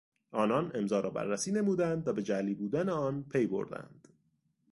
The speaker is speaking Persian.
آنان امضا را بررسی نمودند و به جعلی بودن آن پیبردند.